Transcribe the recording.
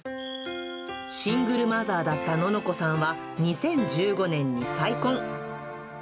シングルマザーだったののこさんは、２０１５年に再婚。